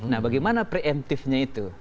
nah bagaimana preemptifnya itu